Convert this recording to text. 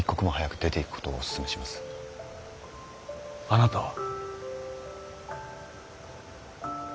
あなたは。